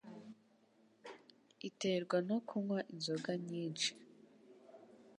iterwa no kunywa inzoga nyinshi